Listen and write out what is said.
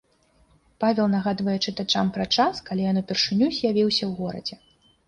Павел нагадвае чытачам пра час, калі ён упершыню з'явіўся ў горадзе.